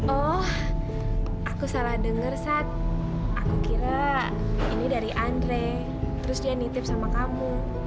oh aku salah dengar sat aku kira ini dari andre terus dia nitip sama kamu